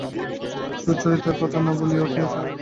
সুচরিতাও কোনো কথা না বলিয়া উঠিয়া চলিয়া গেল।